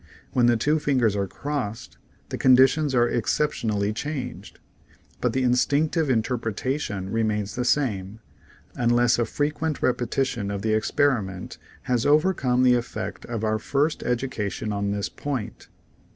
When the two fingers are crossed, the conditions are ex ceptionally changed, but the instinctive interpretation remains the same, unless a frequent repetition of the exper iment has overcome the effect of our first education on this point.